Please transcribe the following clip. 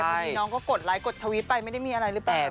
ทีนี้น้องก็กดไลค์กดทวิตไปไม่ได้มีอะไรหรือเปล่า